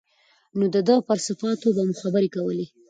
نو د ده پر صفاتو به مو خبرې کولې.